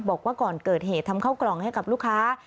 บอกว่าก่อนเกิดเหตุทำเข้ากล่องให้กับลูกค้า